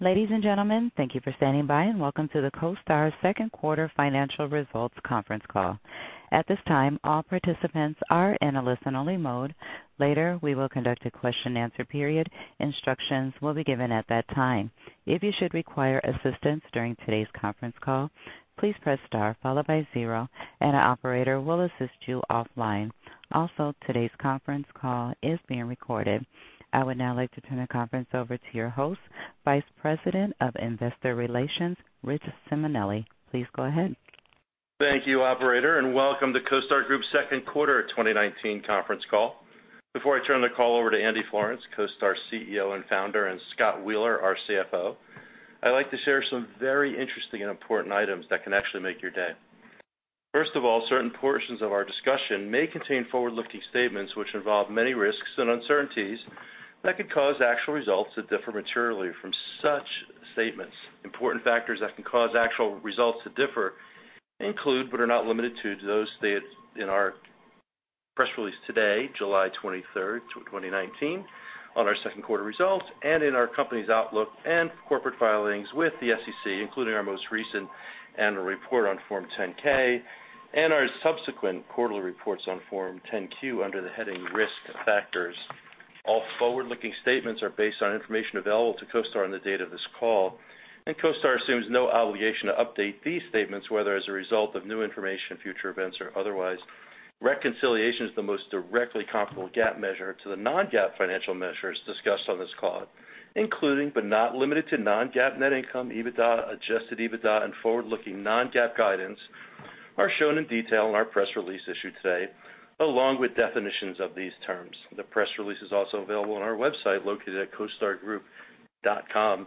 Ladies and gentlemen, thank you for standing by, and welcome to the CoStar Second Quarter Financial Results Conference Call. At this time, all participants are in a listen-only mode. Later, we will conduct a question and answer period. Instructions will be given at that time. If you should require assistance during today's conference call, please press star followed by 0, and an operator will assist you offline. Also, today's conference call is being recorded. I would now like to turn the conference over to your host, Vice President of Investor Relations, Richard Simonelli. Please go ahead. Thank you, operator, and welcome to CoStar Group's second quarter 2019 conference call. Before I turn the call over to Andy Florance, CoStar CEO and founder, and Scott Wheeler, our CFO, I'd like to share some very interesting and important items that can actually make your day. First of all, certain portions of our discussion may contain forward-looking statements which involve many risks and uncertainties that could cause actual results to differ materially from such statements. Important factors that can cause actual results to differ include, but are not limited to, those stated in our press release today, July 23rd, 2019, on our second quarter results, and in our company's outlook and corporate filings with the SEC, including our most recent annual report on Form 10-K and our subsequent quarterly reports on Form 10-Q under the heading Risk Factors. All forward-looking statements are based on information available to CoStar on the date of this call, and CoStar assumes no obligation to update these statements, whether as a result of new information, future events, or otherwise. Reconciliations of the most directly comparable GAAP measure to the non-GAAP financial measures discussed on this call, including, but not limited to, non-GAAP net income, EBITDA, adjusted EBITDA, and forward-looking non-GAAP guidance, are shown in detail in our press release issued today, along with definitions of these terms. The press release is also available on our website located at costargroup.com.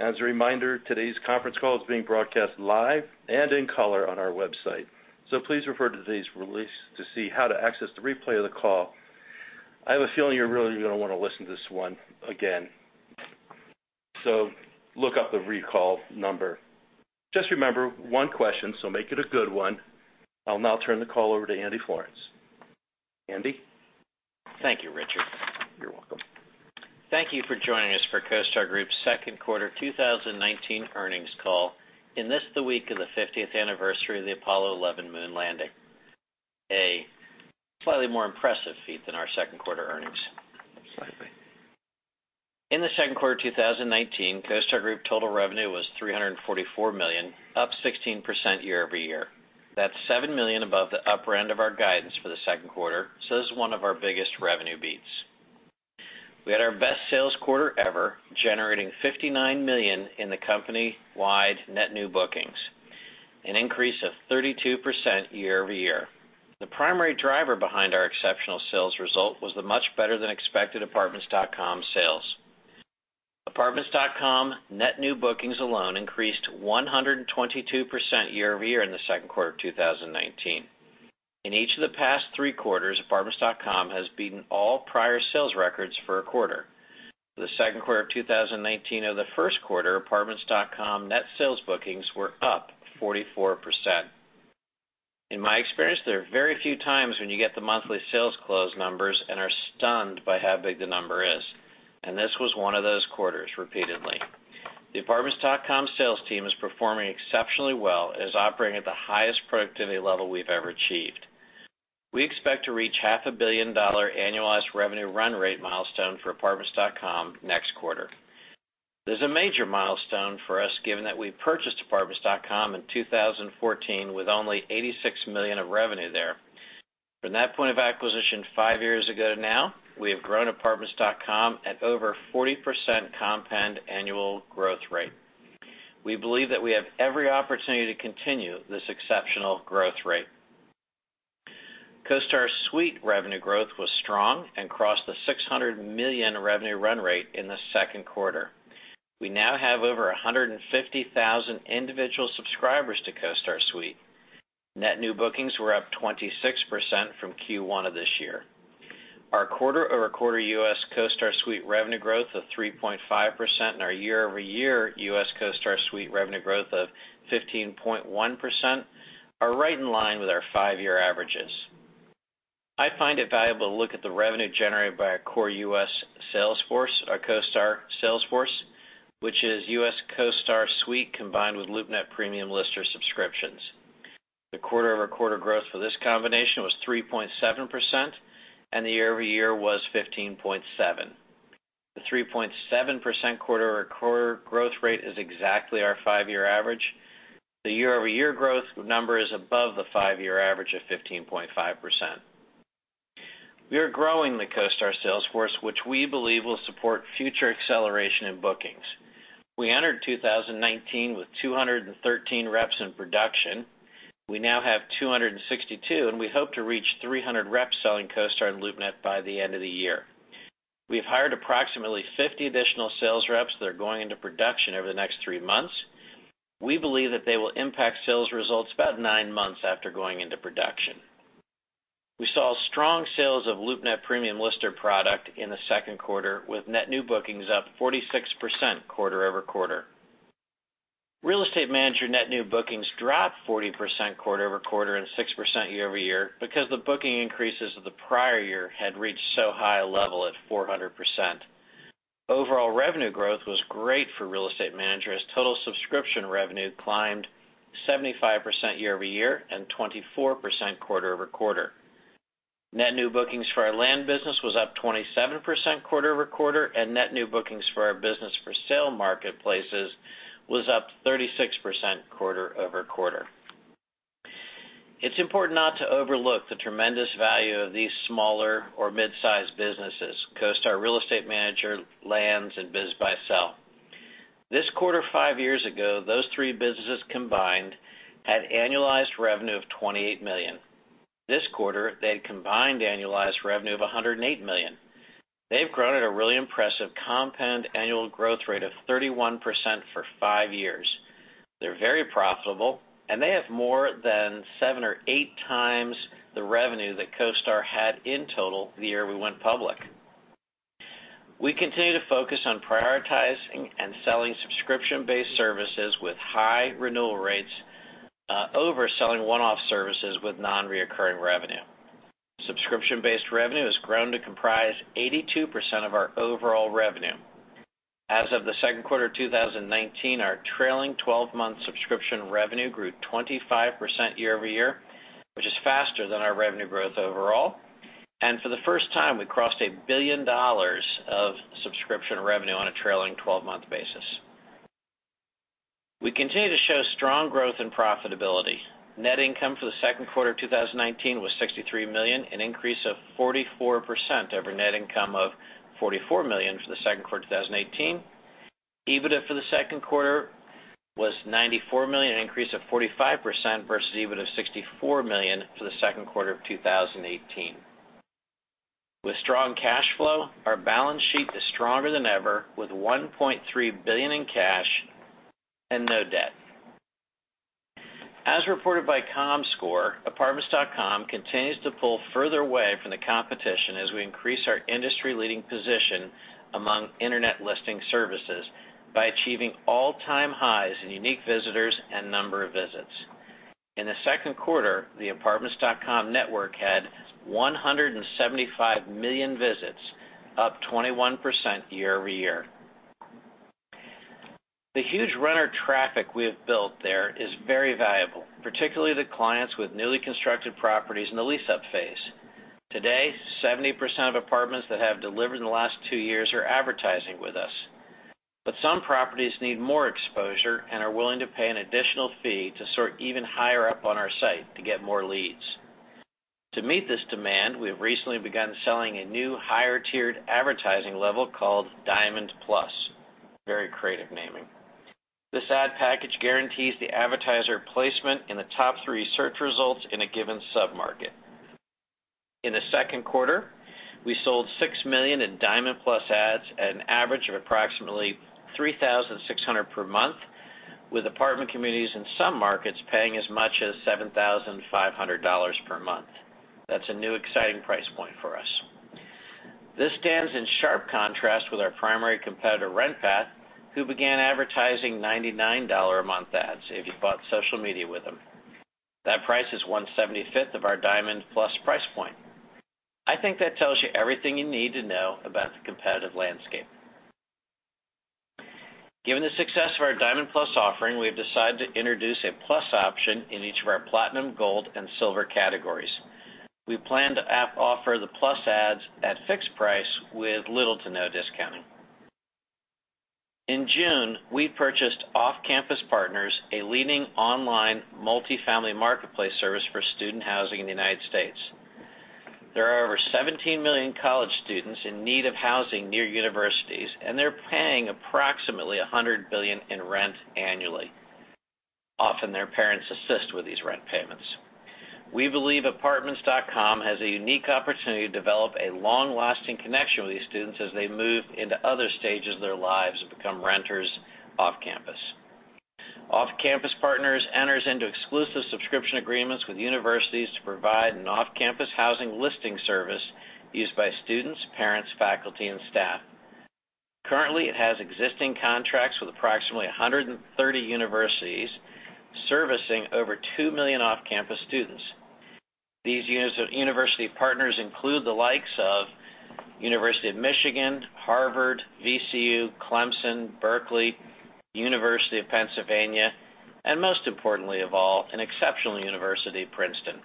As a reminder, today's conference call is being broadcast live and in color on our website. Please refer to today's release to see how to access the replay of the call. I have a feeling you're really going to want to listen to this one again. Look up the recall number. Just remember, one question, so make it a good one. I'll now turn the call over to Andy Florance. Andy? Thank you, Richard. You're welcome. Thank you for joining us for CoStar Group's second quarter 2019 earnings call in this, the week of the 50th anniversary of the Apollo 11 moon landing, a slightly more impressive feat than our second quarter earnings. In the second quarter of 2019, CoStar Group total revenue was $344 million, up 16% year-over-year. That's $7 million above the upper end of our guidance for the second quarter, so this is one of our biggest revenue beats. We had our best sales quarter ever, generating $59 million in the company-wide net new bookings, an increase of 32% year-over-year. The primary driver behind our exceptional sales result was the much better than expected Apartments.com sales. Apartments.com net new bookings alone increased 122% year-over-year in the second quarter of 2019. In each of the past three quarters, Apartments.com has beaten all prior sales records for a quarter. For the second quarter of 2019 of the first quarter, Apartments.com net sales bookings were up 44%. In my experience, there are very few times when you get the monthly sales close numbers and are stunned by how big the number is, and this was one of those quarters repeatedly. The Apartments.com sales team is performing exceptionally well and is operating at the highest productivity level we've ever achieved. We expect to reach half a billion dollar annualized revenue run rate milestone for Apartments.com next quarter. This is a major milestone for us, given that we purchased Apartments.com in 2014 with only $86 million of revenue there. From that point of acquisition five years ago to now, we have grown Apartments.com at over 40% compound annual growth rate. We believe that we have every opportunity to continue this exceptional growth rate. CoStar Suite revenue growth was strong and crossed the $600 million revenue run rate in the second quarter. We now have over 150,000 individual subscribers to CoStar Suite. Net new bookings were up 26% from Q1 of this year. Our quarter-over-quarter U.S. CoStar Suite revenue growth of 3.5% and our year-over-year U.S. CoStar Suite revenue growth of 15.1% are right in line with our five-year averages. I find it valuable to look at the revenue generated by our core U.S. sales force, our CoStar sales force, which is U.S. CoStar Suite combined with LoopNet Premium Lister subscriptions. The quarter-over-quarter growth for this combination was 3.7%, and the year-over-year was 15.7%. The 3.7% quarter-over-quarter growth rate is exactly our five-year average. The year-over-year growth number is above the five-year average of 15.5%. We are growing the CoStar sales force, which we believe will support future acceleration in bookings. We entered 2019 with 213 reps in production. We now have 262. We hope to reach 300 reps selling CoStar and LoopNet by the end of the year. We have hired approximately 50 additional sales reps that are going into production over the next three months. We believe that they will impact sales results about nine months after going into production. We saw strong sales of LoopNet Premium Lister product in the second quarter, with net new bookings up 46% quarter-over-quarter. Real Estate Manager net new bookings dropped 40% quarter-over-quarter and 6% year-over-year because the booking increases of the prior year had reached so high a level at 400%. Overall revenue growth was great for Real Estate Manager, as total subscription revenue climbed 75% year-over-year and 24% quarter-over-quarter. Net new bookings for our land business was up 27% quarter-over-quarter, and net new bookings for our business for sale marketplaces was up 36% quarter-over-quarter. It's important not to overlook the tremendous value of these smaller or mid-size businesses, CoStar Real Estate Manager, Land and BizBuySell. This quarter five years ago, those three businesses combined had annualized revenue of $28 million. This quarter, they had combined annualized revenue of $108 million. They've grown at a really impressive compound annual growth rate of 31% for five years. They're very profitable, and they have more than 7x or 8x the revenue that CoStar had in total the year we went public. We continue to focus on prioritizing and selling subscription-based services with high renewal rates over selling one-off services with non-recurring revenue. Subscription-based revenue has grown to comprise 82% of our overall revenue. As of the second quarter of 2019, our trailing 12-month subscription revenue grew 25% year-over-year, which is faster than our revenue growth overall. For the first time, we crossed $1 billion of subscription revenue on a trailing 12-month basis. We continue to show strong growth and profitability. Net income for the second quarter 2019 was $63 million, an increase of 44% over net income of $44 million for the second quarter 2018. EBITDA for the second quarter was $94 million, an increase of 45% versus EBITDA of $64 million for the second quarter of 2018. With strong cash flow, our balance sheet is stronger than ever, with $1.3 billion in cash and no debt. As reported by Comscore, Apartments.com continues to pull further away from the competition as we increase our industry-leading position among internet listing services by achieving all-time highs in unique visitors and number of visits. In the second quarter, the Apartments.com network had 175 million visits, up 21% year-over-year. The huge renter traffic we have built there is very valuable, particularly the clients with newly constructed properties in the lease-up phase. Today, 70% of apartments that have delivered in the last two years are advertising with us. Some properties need more exposure and are willing to pay an additional fee to sort even higher up on our site to get more leads. To meet this demand, we have recently begun selling a new higher-tiered advertising level called Diamond Plus. Very creative naming. This ad package guarantees the advertiser placement in the top three search results in a given sub-market. In the second quarter, we sold $6 million in Diamond Plus ads at an average of approximately $3,600 per month, with apartment communities in some markets paying as much as $7,500 per month. That's a new exciting price point for us. This stands in sharp contrast with our primary competitor, RentPath, who began advertising $99 a month ads if you bought social media with them. That price is 1/75th of our Diamond Plus price point. I think that tells you everything you need to know about the competitive landscape. Given the success of our Diamond Plus offering, we have decided to introduce a plus option in each of our Platinum, Gold, and Silver categories. We plan to offer the plus ads at fixed price with little to no discounting. In June, we purchased Off Campus Partners, a leading online multifamily marketplace service for student housing in the U.S. There are over 17 million college students in need of housing near universities, and they're paying approximately $100 billion in rent annually. Often, their parents assist with these rent payments. We believe Apartments.com has a unique opportunity to develop a long-lasting connection with these students as they move into other stages of their lives and become renters off campus. Off Campus Partners enters into exclusive subscription agreements with universities to provide an off-campus housing listing service used by students, parents, faculty, and staff. Currently, it has existing contracts with approximately 130 universities, servicing over 2 million off-campus students. These university partners include the likes of University of Michigan, Harvard, VCU, Clemson, Berkeley, University of Pennsylvania, and most importantly of all, an exceptional university, Princeton.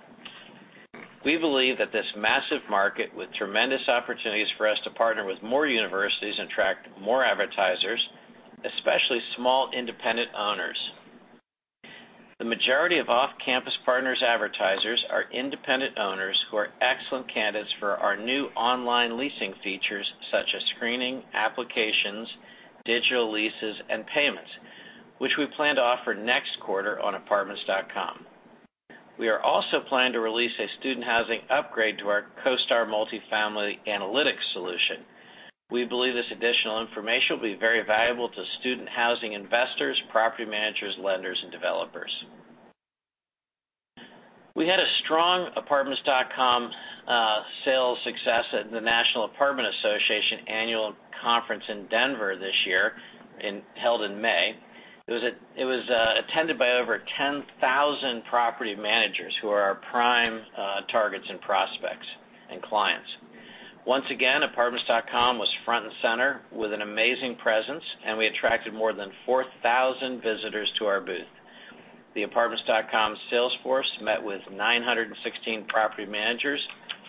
We believe that this massive market with tremendous opportunities for us to partner with more universities and attract more advertisers, especially small independent owners. The majority of Off Campus Partners advertisers are independent owners who are excellent candidates for our new online leasing features, such as screening, applications, digital leases, and payments, which we plan to offer next quarter on Apartments.com. We are also planning to release a student housing upgrade to our CoStar multifamily analytics solution. We believe this additional information will be very valuable to student housing investors, property managers, lenders, and developers. We had a strong Apartments.com sales success at the National Apartment Association annual conference in Denver this year, held in May. It was attended by over 10,000 property managers who are our prime targets and prospects and clients. Once again, Apartments.com was front and center with an amazing presence, and we attracted more than 4,000 visitors to our booth. The Apartments.com sales force met with 916 property managers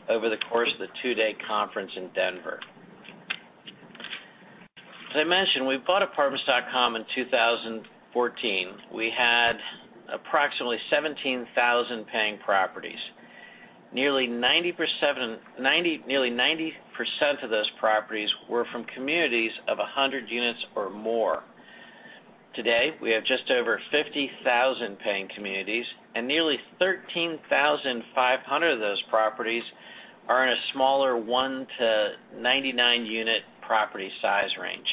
over the course of the two-day conference in Denver. As I mentioned, we bought Apartments.com in 2014. We had approximately 17,000 paying properties. Nearly 90% of those properties were from communities of 100 units or more. Today, we have just over 50,000 paying communities, and nearly 13,500 of those properties are in a smaller 1 to 99-unit property size range.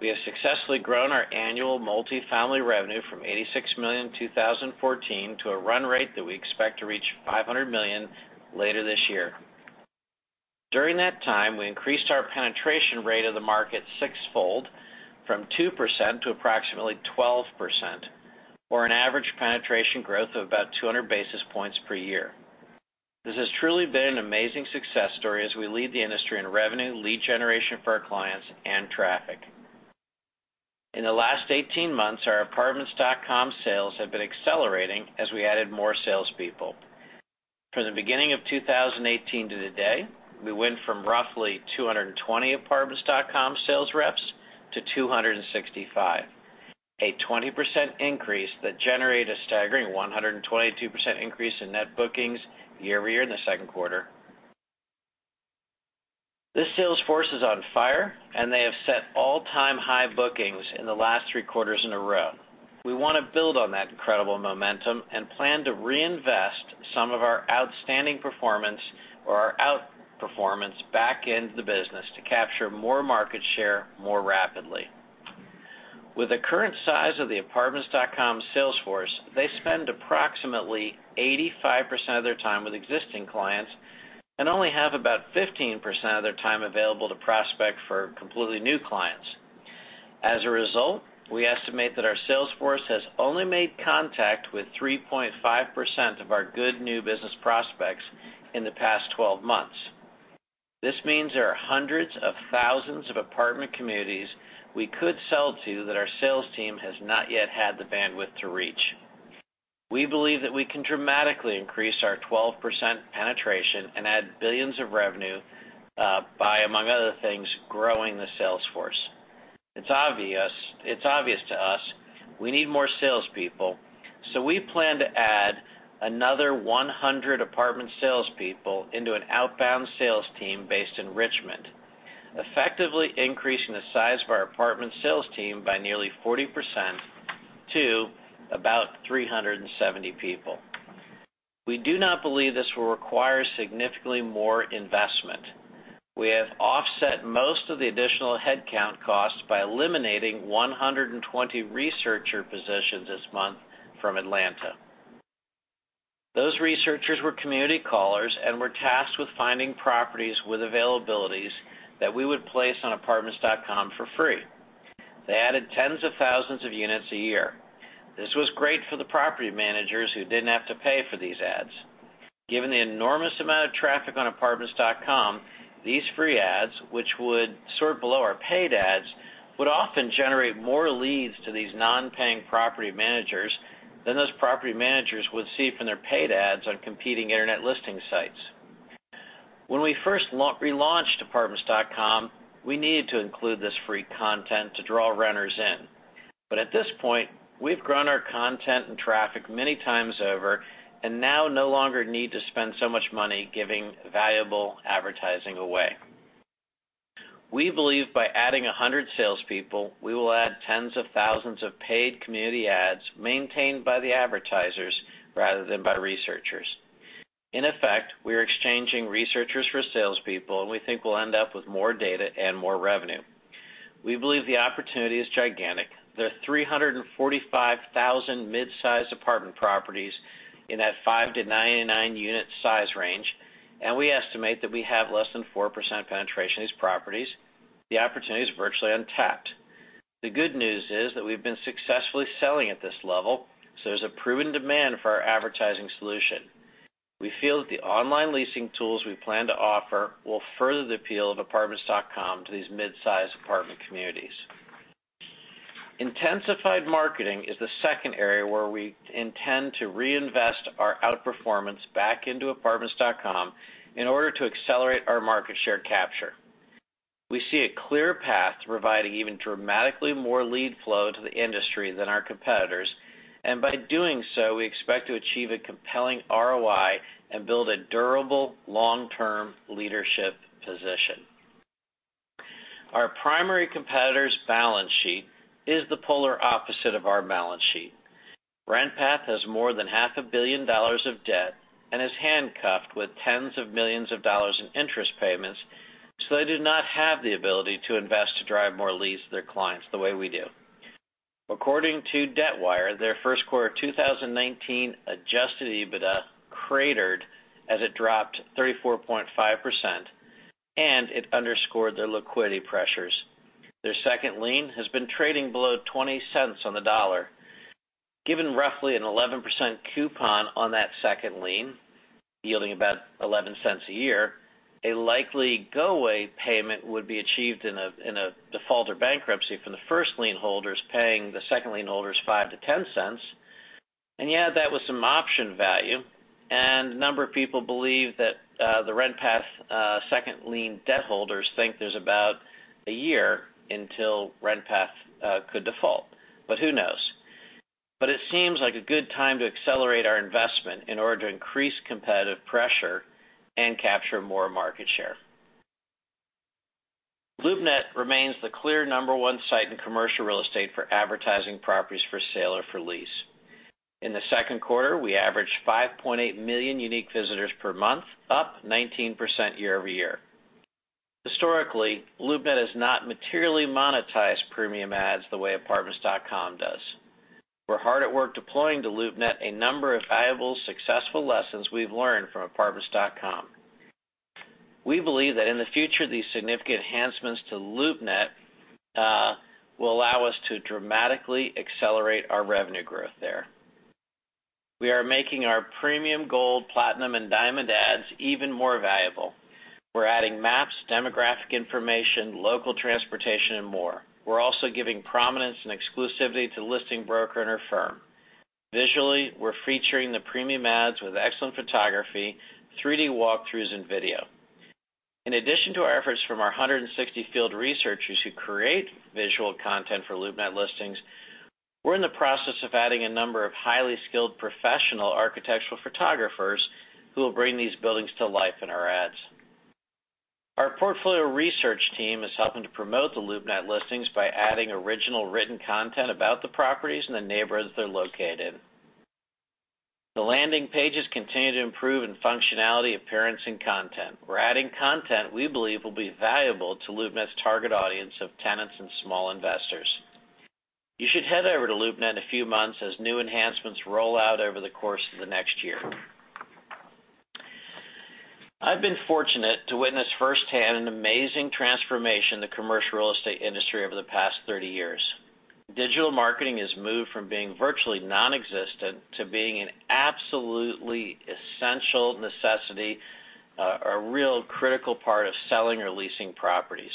We have successfully grown our annual multifamily revenue from $86 million in 2014 to a run rate that we expect to reach $500 million later this year. During that time, we increased our penetration rate of the market sixfold, from 2% to approximately 12%, or an average penetration growth of about 200 basis points per year. This has truly been an amazing success story as we lead the industry in revenue, lead generation for our clients, and traffic. In the last 18 months, our Apartments.com sales have been accelerating as we added more salespeople. From the beginning of 2018 to today, we went from roughly 220 Apartments.com sales reps to 265. A 20% increase that generated a staggering 122% increase in net bookings year-over-year in the second quarter. This sales force is on fire, and they have set all-time high bookings in the last three quarters in a row. We want to build on that incredible momentum and plan to reinvest some of our outstanding performance or our outperformance back into the business to capture more market share more rapidly. With the current size of the Apartments.com sales force, they spend approximately 85% of their time with existing clients and only have about 15% of their time available to prospect for completely new clients. As a result, we estimate that our sales force has only made contact with 3.5% of our good new business prospects in the past 12 months. This means there are hundreds of thousands of apartment communities we could sell to that our sales team has not yet had the bandwidth to reach. We believe that we can dramatically increase our 12% penetration and add billions of revenue by, among other things, growing the sales force. It's obvious to us we need more salespeople, so we plan to add another 100 apartment salespeople into an outbound sales team based in Richmond, effectively increasing the size of our apartment sales team by nearly 40% to about 370 people. We do not believe this will require significantly more investment. We have offset most of the additional headcount costs by eliminating 120 researcher positions this month from Atlanta. Those researchers were community callers and were tasked with finding properties with availabilities that we would place on Apartments.com for free. They added tens of thousands of units a year. This was great for the property managers who didn't have to pay for these ads. Given the enormous amount of traffic on Apartments.com, these free ads, which would sort below our paid ads, would often generate more leads to these non-paying property managers than those property managers would see from their paid ads on competing internet listing sites. When we first relaunched Apartments.com, we needed to include this free content to draw renters in. At this point, we've grown our content and traffic many times over and now no longer need to spend so much money giving valuable advertising away. We believe by adding 100 salespeople, we will add tens of thousands of paid community ads maintained by the advertisers rather than by researchers. In effect, we are exchanging researchers for salespeople, and we think we'll end up with more data and more revenue. We believe the opportunity is gigantic. There are 345,000 midsize apartment properties in that 5 to 99-unit size range, and we estimate that we have less than 4% penetration of these properties. The opportunity is virtually untapped. The good news is that we've been successfully selling at this level, so there's a proven demand for our advertising solution. We feel that the online leasing tools we plan to offer will further the appeal of Apartments.com to these midsize apartment communities. Intensified marketing is the second area where we intend to reinvest our outperformance back into Apartments.com in order to accelerate our market share capture. We see a clear path to providing even dramatically more lead flow to the industry than our competitors. By doing so, we expect to achieve a compelling ROI and build a durable, long-term leadership position. Our primary competitor's balance sheet is the polar opposite of our balance sheet. RentPath has more than half a billion dollars of debt and is handcuffed with tens of millions of dollars in interest payments. They do not have the ability to invest to drive more leads to their clients the way we do. According to Debtwire, their first quarter 2019 adjusted EBITDA cratered as it dropped 34.5%. It underscored their liquidity pressures. Their second lien has been trading below $0.20 on the dollar. Given roughly an 11% coupon on that second lien, yielding about $0.11 a year, a likely go-away payment would be achieved in a default or bankruptcy from the first lien holders paying the second lien holders $0.05-$0.10. You add that with some option value, and a number of people believe that the RentPath second lien debt holders think there's about a year until RentPath could default. Who knows? It seems like a good time to accelerate our investment in order to increase competitive pressure and capture more market share. LoopNet remains the clear number one site in commercial real estate for advertising properties for sale or for lease. In the second quarter, we averaged 5.8 million unique visitors per month, up 19% year-over-year. Historically, LoopNet has not materially monetized premium ads the way Apartments.com does. We're hard at work deploying to LoopNet a number of valuable, successful lessons we've learned from Apartments.com. We believe that in the future, these significant enhancements to LoopNet will allow us to dramatically accelerate our revenue growth there. We are making our Premium Gold, Platinum, and Diamond ads even more valuable. We're adding maps, demographic information, local transportation, and more. We're also giving prominence and exclusivity to the listing broker and her firm. Visually, we're featuring the premium ads with excellent photography, 3D walkthroughs, and video. In addition to our efforts from our 160 field researchers who create visual content for LoopNet listings, we're in the process of adding a number of highly skilled professional architectural photographers who will bring these buildings to life in our ads. Our portfolio research team is helping to promote the LoopNet listings by adding original written content about the properties and the neighborhoods they're located in. The landing pages continue to improve in functionality, appearance, and content. We're adding content we believe will be valuable to LoopNet's target audience of tenants and small investors. You should head over to LoopNet in a few months as new enhancements roll out over the course of the next year. I've been fortunate to witness firsthand an amazing transformation in the commercial real estate industry over the past 30 years. Digital marketing has moved from being virtually non-existent to being an absolutely essential necessity, a real critical part of selling or leasing properties.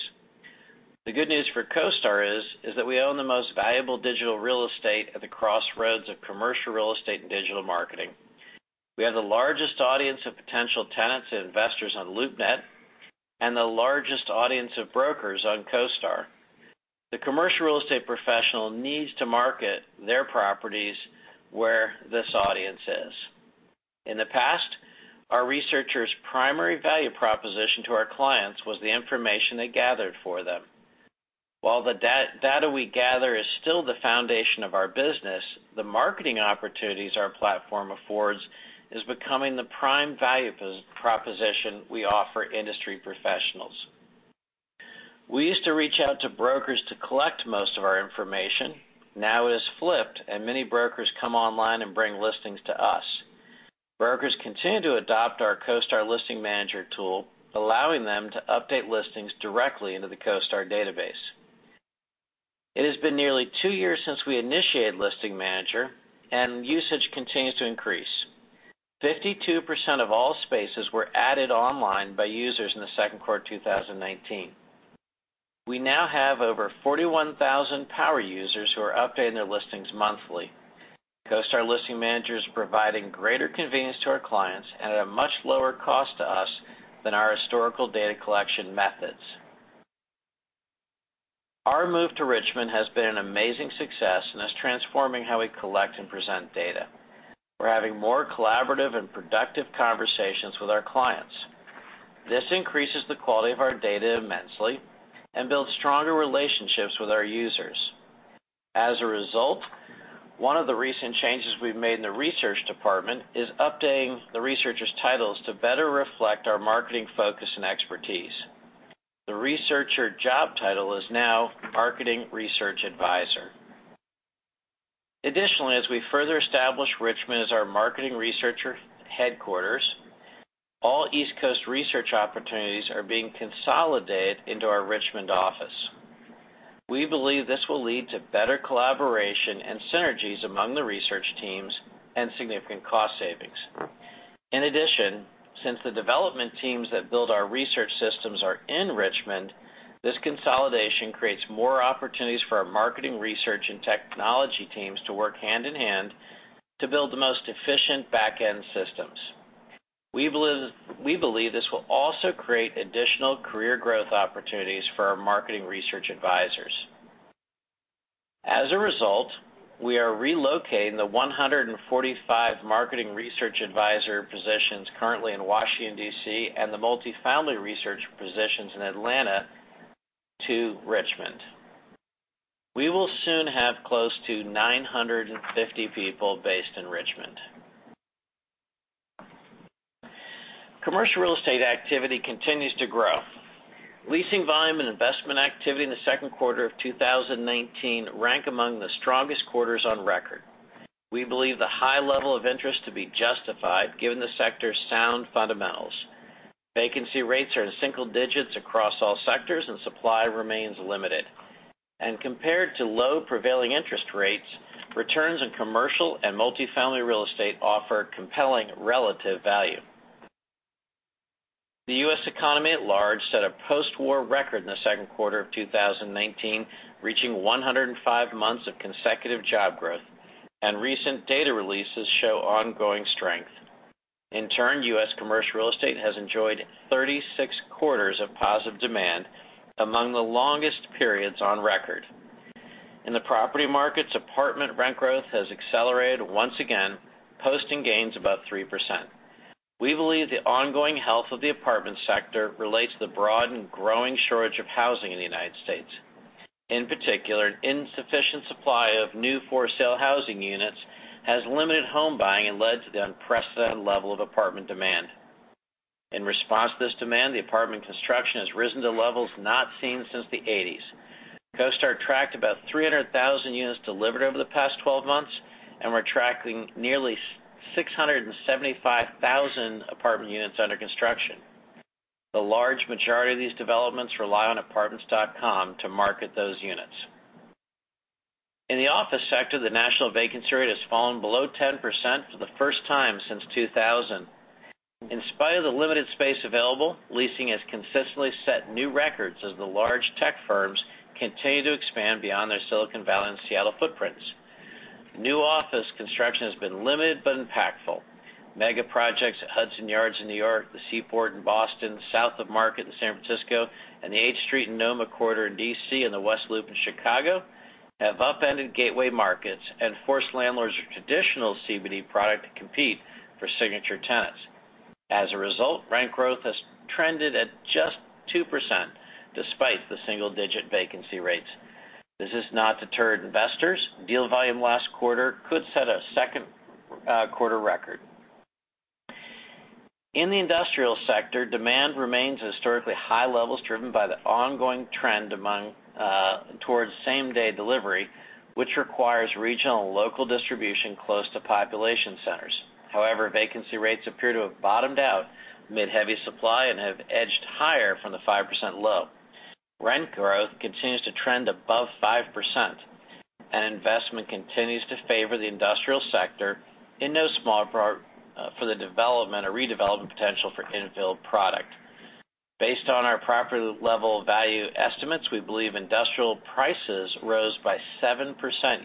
The good news for CoStar is that we own the most valuable digital real estate at the crossroads of commercial real estate and digital marketing. We have the largest audience of potential tenants and investors on LoopNet, and the largest audience of brokers on CoStar. The commercial real estate professional needs to market their properties where this audience is. In the past, our researchers' primary value proposition to our clients was the information they gathered for them. While the data we gather is still the foundation of our business, the marketing opportunities our platform affords is becoming the prime value proposition we offer industry professionals. We used to reach out to brokers to collect most of our information. Now it has flipped, and many brokers come online and bring listings to us. Brokers continue to adopt our CoStar Listing Manager tool, allowing them to update listings directly into the CoStar database. It has been nearly two years since we initiated Listing Manager, and usage continues to increase. 52% of all spaces were added online by users in the second quarter of 2019. We now have over 41,000 power users who are updating their listings monthly. CoStar Listing Manager is providing greater convenience to our clients and at a much lower cost to us than our historical data collection methods. Our move to Richmond has been an amazing success and is transforming how we collect and present data. We're having more collaborative and productive conversations with our clients. This increases the quality of our data immensely and builds stronger relationships with our users. As a result, one of the recent changes we've made in the research department is updating the researchers' titles to better reflect our marketing focus and expertise. The researcher job title is now Marketing Research Advisor. Additionally, as we further establish Richmond as our marketing researcher headquarters, all East Coast research opportunities are being consolidated into our Richmond office. We believe this will lead to better collaboration and synergies among the research teams and significant cost savings. Since the development teams that build our research systems are in Richmond, this consolidation creates more opportunities for our marketing research and technology teams to work hand-in-hand to build the most efficient back-end systems. We believe this will also create additional career growth opportunities for our Market Research Advisors. As a result, we are relocating the 145 Marketing Research Advisor positions currently in Washington, D.C. and the multifamily research positions in Atlanta to Richmond. We will soon have close to 950 people based in Richmond. Commercial real estate activity continues to grow. Leasing volume and investment activity in the second quarter of 2019 rank among the strongest quarters on record. We believe the high level of interest to be justified given the sector's sound fundamentals. Vacancy rates are in single digits across all sectors, and supply remains limited. Compared to low prevailing interest rates, returns in commercial and multifamily real estate offer compelling relative value. The U.S. economy at large set a post-war record in the second quarter of 2019, reaching 105 months of consecutive job growth, and recent data releases show ongoing strength. In turn, U.S. commercial real estate has enjoyed 36 quarters of positive demand, among the longest periods on record. In the property markets, apartment rent growth has accelerated once again, posting gains above 3%. We believe the ongoing health of the apartment sector relates to the broad and growing shortage of housing in the United States. In particular, insufficient supply of new for-sale housing units has limited home buying and led to the unprecedented level of apartment demand. In response to this demand, the apartment construction has risen to levels not seen since the '80s. CoStar tracked about 300,000 units delivered over the past 12 months, and we're tracking nearly 675,000 apartment units under construction. The large majority of these developments rely on Apartments.com to market those units. In the office sector, the national vacancy rate has fallen below 10% for the first time since 2000. In spite of the limited space available, leasing has consistently set new records as the large tech firms continue to expand beyond their Silicon Valley and Seattle footprints. New office construction has been limited but impactful. Mega projects at Hudson Yards in New York, the Seaport in Boston, South of Market in San Francisco, and the H Street and NoMa quarter in D.C. and the West Loop in Chicago have upended gateway markets and forced landlords with traditional CBD product to compete for signature tenants. Rent growth has trended at just 2%, despite the single-digit vacancy rates. This has not deterred investors. Deal volume last quarter could set a second quarter record. In the industrial sector, demand remains at historically high levels, driven by the ongoing trend towards same-day delivery, which requires regional and local distribution close to population centers. Vacancy rates appear to have bottomed out amid heavy supply and have edged higher from the 5% low. Rent growth continues to trend above 5%, and investment continues to favor the industrial sector, in no small part for the development or redevelopment potential for infill product. Based on our property level value estimates, we believe industrial prices rose by 7%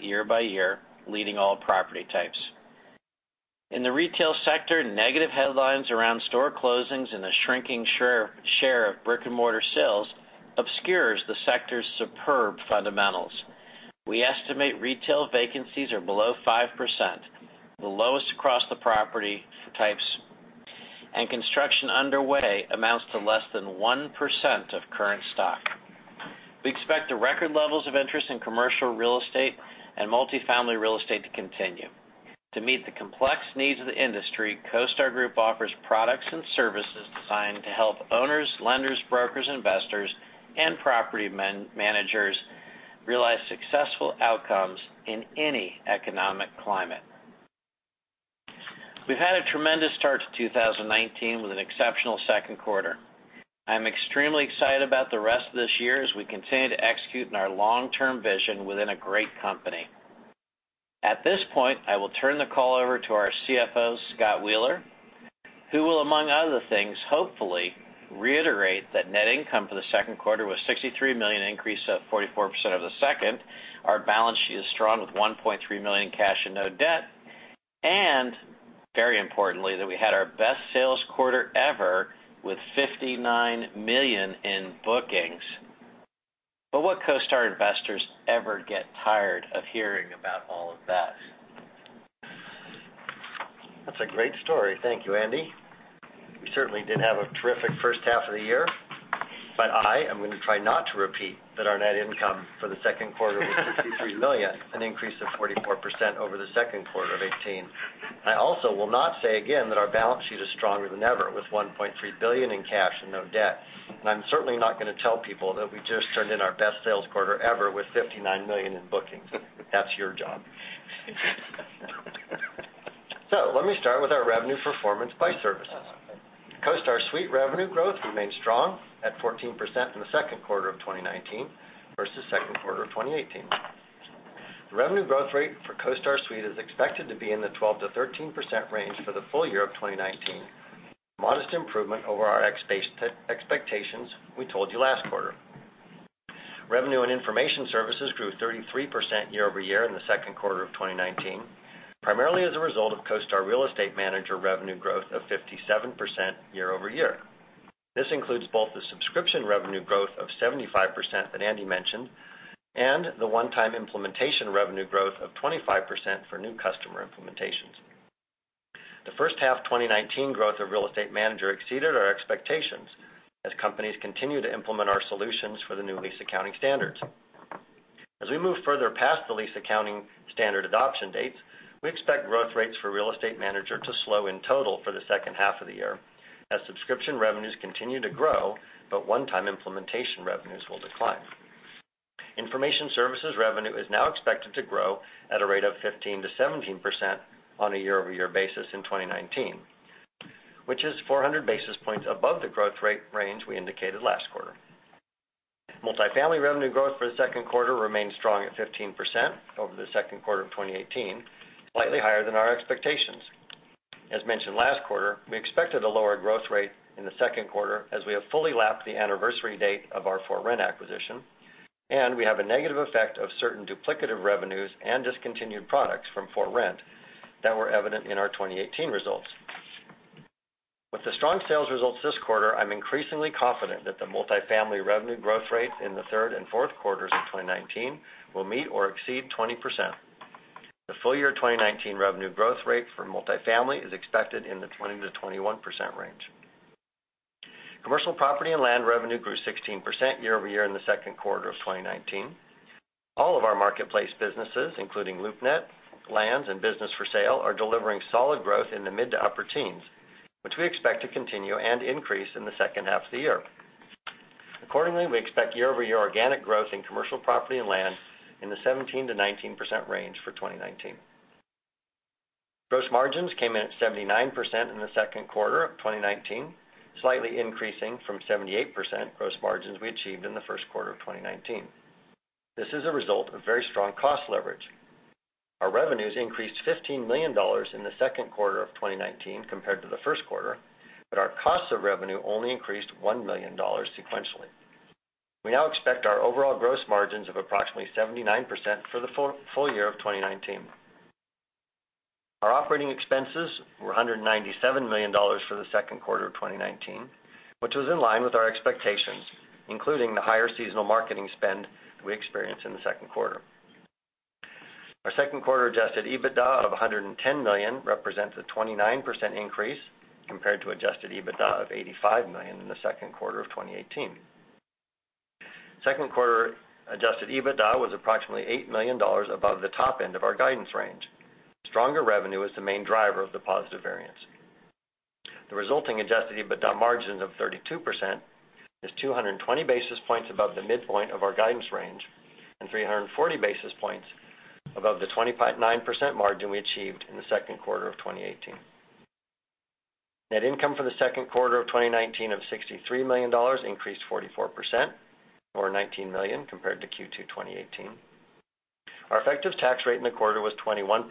year-by-year, leading all property types. In the retail sector, negative headlines around store closings and the shrinking share of brick-and-mortar sales obscures the sector's superb fundamentals. We estimate retail vacancies are below 5%, the lowest across the property types, and construction underway amounts to less than 1% of current stock. We expect the record levels of interest in commercial real estate and multifamily real estate to continue. To meet the complex needs of the industry, CoStar Group offers products and services designed to help owners, lenders, brokers, investors, and property managers realize successful outcomes in any economic climate. We've had a tremendous start to 2019 with an exceptional second quarter. I'm extremely excited about the rest of this year as we continue to execute in our long-term vision within a great company. At this point, I will turn the call over to our CFO, Scott Wheeler, who will, among other things, hopefully reiterate that net income for the second quarter was $63 million, an increase of 44% over the second. Our balance sheet is strong with $1.3 million in cash and no debt, and, very importantly, that we had our best sales quarter ever with $59 million in bookings. What CoStar investors ever get tired of hearing about all of that. That's a great story. Thank you, Andy. We certainly did have a terrific first half of the year, I am going to try not to repeat that our net income for the second quarter was $63 million, an increase of 44% over the second quarter of 2018. I also will not say again that our balance sheet is stronger than ever, with $1.3 billion in cash and no debt. I'm certainly not going to tell people that we just turned in our best sales quarter ever with $59 million in bookings. That's your job. Let me start with our revenue performance by services. CoStar Suite revenue growth remained strong at 14% in the second quarter of 2019 versus second quarter of 2018. The revenue growth rate for CoStar Suite is expected to be in the 12%-13% range for the full year of 2019, a modest improvement over our expectations we told you last quarter. Revenue and information services grew 33% year-over-year in the second quarter of 2019, primarily as a result of CoStar Real Estate Manager revenue growth of 57% year-over-year. This includes both the subscription revenue growth of 75% that Andy mentioned and the one-time implementation revenue growth of 25% for new customer implementations. The first half 2019 growth of Real Estate Manager exceeded our expectations as companies continue to implement our solutions for the new lease accounting standards. We move further past the lease accounting standard adoption dates, we expect growth rates for Real Estate Manager to slow in total for the second half of the year as subscription revenues continue to grow, but one-time implementation revenues will decline. Information services revenue is now expected to grow at a rate of 15%-17% on a year-over-year basis in 2019, which is 400 basis points above the growth rate range we indicated last quarter. Multifamily revenue growth for the second quarter remained strong at 15% over the second quarter of 2018, slightly higher than our expectations. As mentioned last quarter, we expected a lower growth rate in the second quarter as we have fully lapped the anniversary date of our ForRent acquisition, and we have a negative effect of certain duplicative revenues and discontinued products from ForRent that were evident in our 2018 results. With the strong sales results this quarter, I'm increasingly confident that the multifamily revenue growth rate in the third and fourth quarters of 2019 will meet or exceed 20%. The full year 2019 revenue growth rate for multifamily is expected in the 20%-21% range. Commercial property and land revenue grew 16% year-over-year in the second quarter of 2019. All of our marketplace businesses, including LoopNet, Land.com, and BizBuySell, are delivering solid growth in the mid to upper teens, which we expect to continue and increase in the second half of the year. Accordingly, we expect year-over-year organic growth in commercial property and land in the 17%-19% range for 2019. Gross margins came in at 79% in the second quarter of 2019, slightly increasing from 78% gross margins we achieved in the first quarter of 2019. This is a result of very strong cost leverage. Our revenues increased $15 million in the second quarter of 2019 compared to the first quarter, but our cost of revenue only increased $1 million sequentially. We now expect our overall gross margins of approximately 79% for the full year of 2019. Our operating expenses were $197 million for the second quarter of 2019, which was in line with our expectations, including the higher seasonal marketing spend we experienced in the second quarter. Our second quarter adjusted EBITDA of $110 million represents a 29% increase compared to adjusted EBITDA of $85 million in the second quarter of 2018. Second quarter adjusted EBITDA was approximately $8 million above the top end of our guidance range. Stronger revenue is the main driver of the positive variance. The resulting adjusted EBITDA margin of 32% is 220 basis points above the midpoint of our guidance range and 340 basis points above the 29% margin we achieved in the second quarter of 2018. Net income for the second quarter of 2019 of $63 million increased 44%, or $19 million compared to Q2 2018. Our effective tax rate in the quarter was 21%,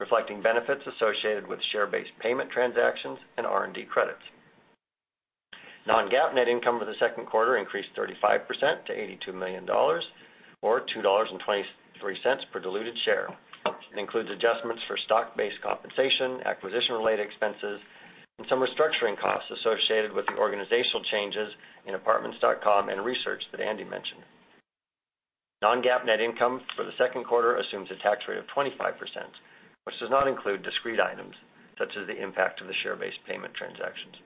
reflecting benefits associated with share-based payment transactions and R&D credits. Non-GAAP net income for the second quarter increased 35% to $82 million, or $2.23 per diluted share. It includes adjustments for stock-based compensation, acquisition-related expenses, and some restructuring costs associated with the organizational changes in Apartments.com and research that Andy mentioned. Non-GAAP net income for the second quarter assumes a tax rate of 25%, which does not include discrete items, such as the impact of the share-based payment transactions.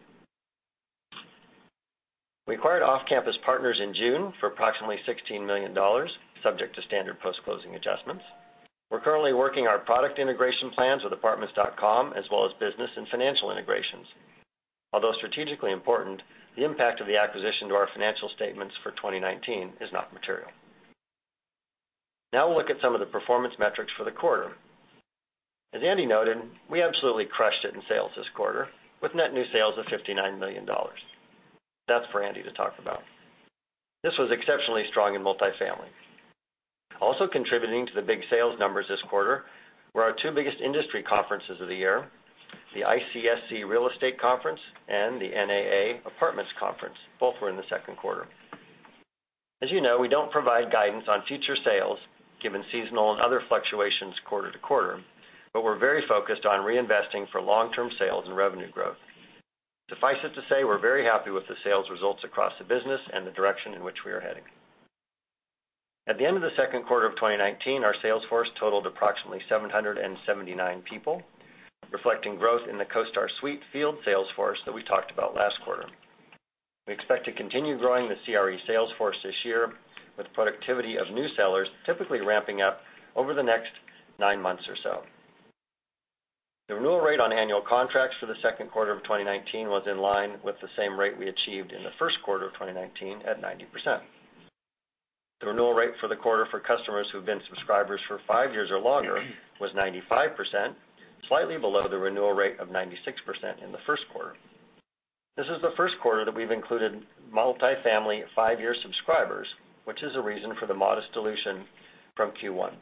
We acquired Off Campus Partners in June for approximately $16 million, subject to standard post-closing adjustments. We're currently working our product integration plans with Apartments.com, as well as business and financial integrations. Although strategically important, the impact of the acquisition to our financial statements for 2019 is not material. Now we'll look at some of the performance metrics for the quarter. As Andy noted, we absolutely crushed it in sales this quarter with net new sales of $59 million. That's for Andy to talk about. This was exceptionally strong in multifamily. Also contributing to the big sales numbers this quarter were our two biggest industry conferences of the year, the ICSC Real Estate Conference and the NAA Apartments Conference. Both were in the second quarter. As you know, we don't provide guidance on future sales given seasonal and other fluctuations quarter-to-quarter, but we're very focused on reinvesting for long-term sales and revenue growth. Suffice it to say, we're very happy with the sales results across the business and the direction in which we are heading. At the end of the second quarter of 2019, our sales force totaled approximately 779 people, reflecting growth in the CoStar Suite field sales force that we talked about last quarter. We expect to continue growing the CRE sales force this year, with productivity of new sellers typically ramping up over the next nine months or so. The renewal rate on annual contracts for the second quarter of 2019 was in line with the same rate we achieved in the first quarter of 2019 at 90%. The renewal rate for the quarter for customers who have been subscribers for five years or longer was 95%, slightly below the renewal rate of 96% in the first quarter. This is the first quarter that we've included multifamily five-year subscribers, which is a reason for the modest dilution from Q1.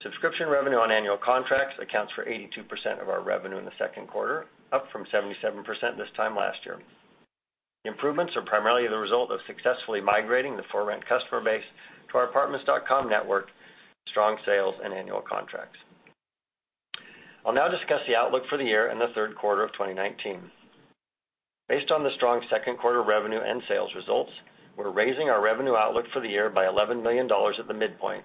Subscription revenue on annual contracts accounts for 82% of our revenue in the second quarter, up from 77% this time last year. The improvements are primarily the result of successfully migrating the ForRent customer base to our Apartments.com network, strong sales, and annual contracts. I'll now discuss the outlook for the year and the third quarter of 2019. Based on the strong second quarter revenue and sales results, we're raising our revenue outlook for the year by $11 million at the midpoint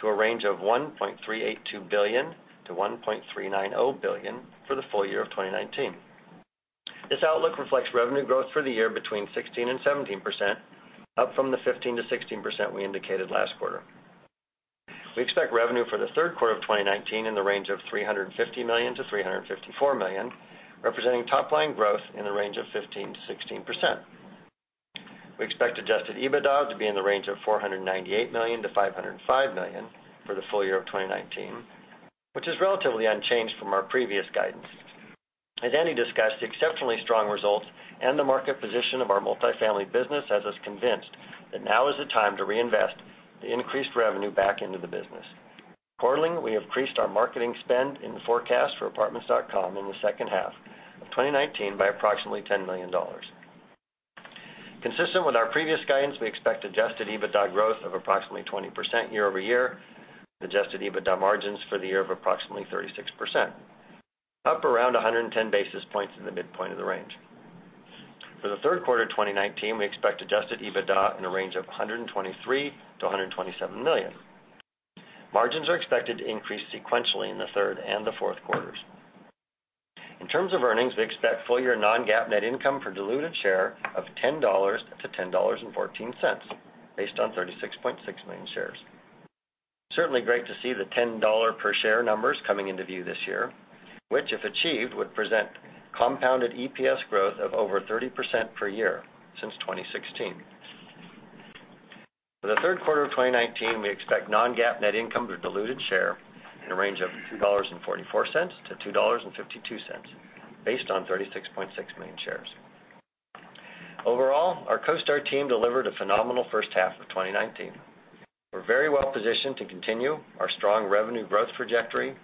to a range of $1.382 billion-$1.390 billion for the full year of 2019. This outlook reflects revenue growth for the year between 16% and 17%, up from the 15%-16% we indicated last quarter. We expect revenue for the third quarter of 2019 in the range of $350 million-$354 million, representing top-line growth in the range of 15%-16%. We expect adjusted EBITDA to be in the range of $498 million-$505 million for the full year of 2019, which is relatively unchanged from our previous guidance. As Andy discussed, the exceptionally strong results and the market position of our multifamily business has us convinced that now is the time to reinvest the increased revenue back into the business. we increased our marketing spend in the forecast for Apartments.com in the second half of 2019 by approximately $10 million. Consistent with our previous guidance, we expect adjusted EBITDA growth of approximately 20% year-over-year, with adjusted EBITDA margins for the year of approximately 36%, up around 110 basis points in the midpoint of the range. For the third quarter of 2019, we expect adjusted EBITDA in the range of $123 million-$127 million. Margins are expected to increase sequentially in the third and the fourth quarters. In terms of earnings, we expect full-year non-GAAP net income per diluted share of $10-$10.14, based on 36.6 million shares. Certainly great to see the $10 per share numbers coming into view this year, which, if achieved, would present compounded EPS growth of over 30% per year since 2016. For the third quarter of 2019, we expect non-GAAP net income per diluted share in a range of $2.44-$2.52, based on 36.6 million shares. Overall, our CoStar team delivered a phenomenal first half of 2019. We're very well-positioned to continue our strong revenue growth trajectory,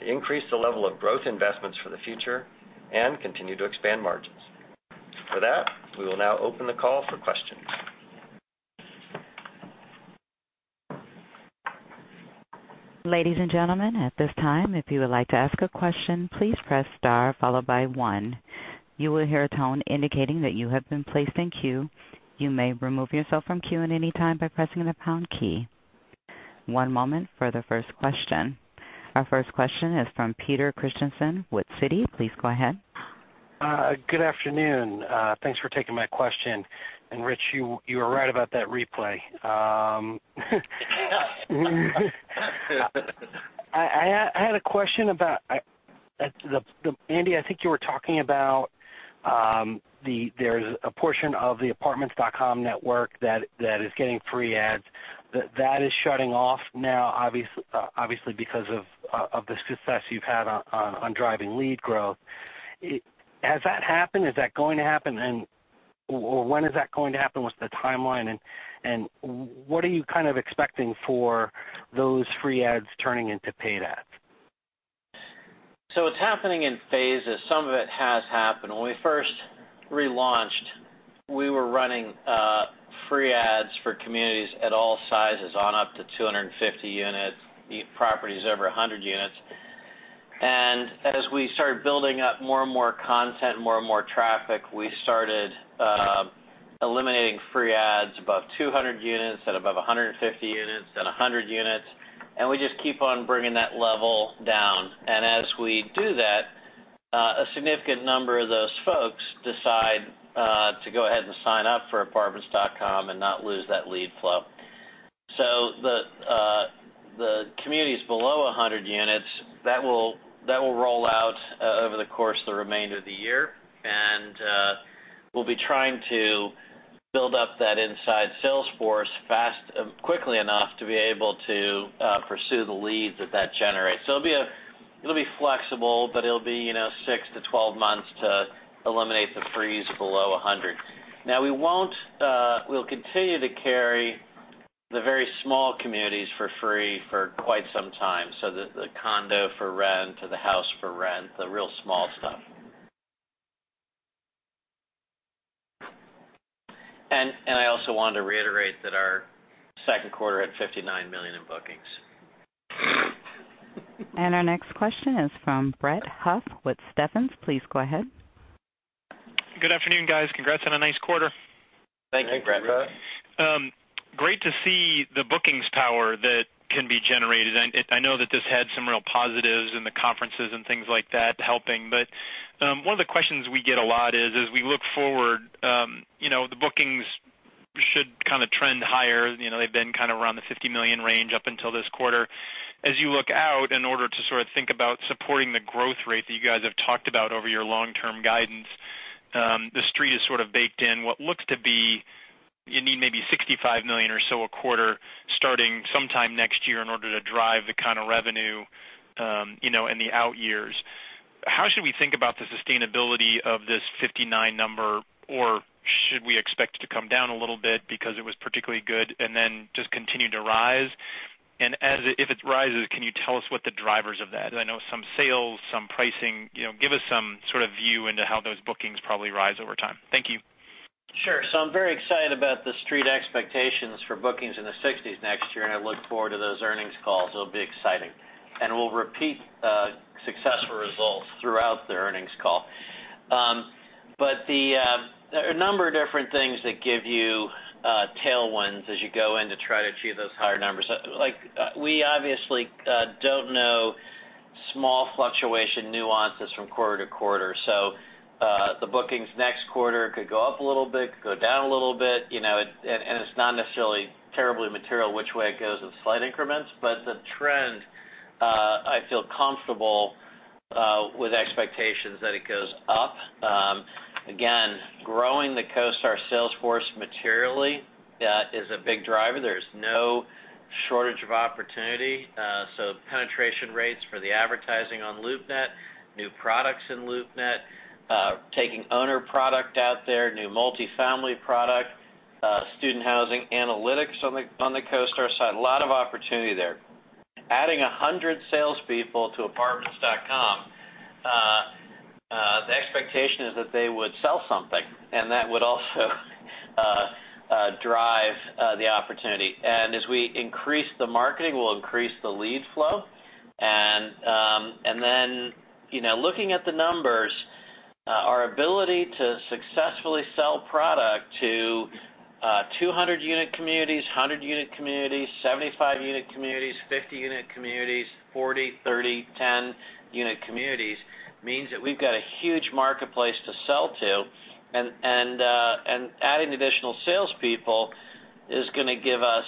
to increase the level of growth investments for the future, and continue to expand margins. For that, we will now open the call for questions. Ladies and gentlemen, at this time, if you would like to ask a question, please press star followed by one. You will hear a tone indicating that you have been placed in queue. You may remove yourself from queue at any time by pressing the pound key. One moment for the first question. Our first question is from Peter Christiansen with Citi. Please go ahead. Good afternoon. Thanks for taking my question. Rich, you were right about that replay. I had a question about Andy, I think you were talking about, there's a portion of the Apartments.com network that is getting free ads. That is shutting off now, obviously, because of the success you've had on driving lead growth. Has that happened? Is that going to happen? When is that going to happen? What's the timeline, and what are you kind of expecting for those free ads turning into paid ads? It's happening in phases. Some of it has happened. When we first relaunched, we were running free ads for communities at all sizes on up to 250 units, properties over 100 units. As we started building up more and more content, more and more traffic, we started eliminating free ads above 200 units, then above 150 units, then 100 units, and we just keep on bringing that level down. As we do that, a significant number of those folks decide to go ahead and sign up for Apartments.com and not lose that lead flow. The communities below 100 units, that will roll out over the course of the remainder of the year, and we'll be trying to build up that inside sales force quickly enough to be able to pursue the leads that that generates. It'll be flexible, but it'll be 6 to 12 months to eliminate the frees below 100. We'll continue to carry the very small communities for free for quite some time, so the condo for rent or the house for rent, the real small stuff. I also wanted to reiterate that our second quarter had $59 million in bookings. Our next question is from Brett Huff with Stephens. Please go ahead. Good afternoon, guys. Congrats on a nice quarter. Thank you, Brett. Great to see the bookings power that can be generated. I know that this had some real positives in the conferences and things like that helping, but one of the questions we get a lot is, as we look forward, the bookings should kind of trend higher. They've been kind of around the $50 million range up until this quarter. As you look out, in order to sort of think about supporting the growth rate that you guys have talked about over your long-term guidance, The Street has sort of baked in what looks to be, you need maybe $65 million or so a quarter starting sometime next year in order to drive the kind of revenue in the out years. How should we think about the sustainability of this 59 number? Should we expect it to come down a little bit because it was particularly good and then just continue to rise? If it rises, can you tell us what the drivers of that? I know some sales, some pricing. Give us some sort of view into how those bookings probably rise over time? Thank you. I'm very excited about The Street expectations for bookings in the 60s next year, and I look forward to those earnings calls. It'll be exciting. We'll repeat successful results throughout the earnings call. There are a number of different things that give you a few of those higher numbers. We obviously don't know small fluctuation nuances from quarter-to-quarter. The bookings next quarter could go up a little bit, could go down a little bit, and it's not necessarily terribly material which way it goes with slight increments. The trend, I feel comfortable with expectations that it goes up. Again, growing the CoStar sales force materially, that is a big driver. There's no shortage of opportunity. Penetration rates for the advertising on LoopNet, new products in LoopNet, taking owner product out there, new multi-family product, student housing, analytics on the CoStar side, a lot of opportunity there. Adding 100 salespeople to Apartments.com, the expectation is that they would sell something, and that would also drive the opportunity. As we increase the marketing, we'll increase the lead flow. Looking at the numbers, our ability to successfully sell product to 200 unit communities, 100 unit communities, 75 unit communities, 50 unit communities, 40, 30, 10 unit communities means that we've got a huge marketplace to sell to. Adding additional salespeople is going to give us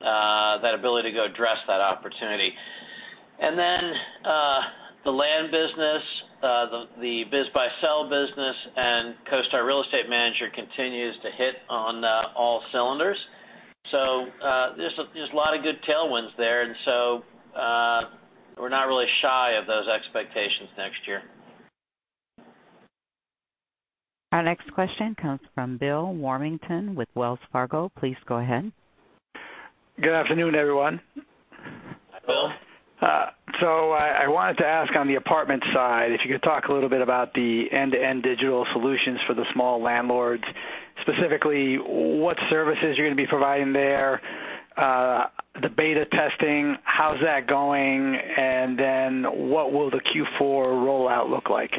that ability to go address that opportunity. The land business, the BizBuySell business, and CoStar Real Estate Manager continues to hit on all cylinders. There's a lot of good tailwinds there. We're not really shy of those expectations next year. Our next question comes from Bill Warmington with Wells Fargo. Please go ahead. Good afternoon, everyone. I wanted to ask on the apartment side, if you could talk a little bit about the end-to-end digital solutions for the small landlords. Specifically, what services you're going to be providing there, the beta testing, how's that going, and then what will the Q4 rollout look like?